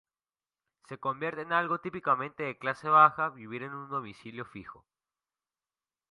Se convierte en algo típicamente "de clase baja" vivir en un domicilio fijo.